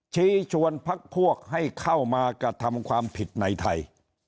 ชี้ชวนพักพวกให้เข้ามากระทำความผิดในไทย